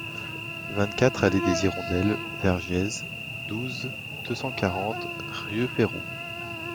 vingt-quatre allée des Hirondelles / Vergiès, douze, deux cent quarante, Rieupeyroux